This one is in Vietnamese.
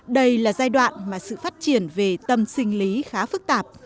đây là giai đoạn mà sự phát triển về tâm sinh lý khá phức tạp